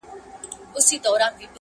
د تصویر پښتو ته ولوېدم په خیال کي!!